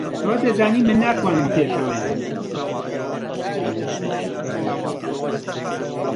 تۆ دەزانی من ناتوانم پێت بڵێم.